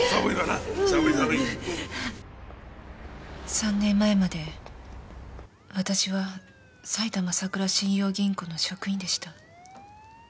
３年前まで私は埼玉さくら信用金庫の職員でした。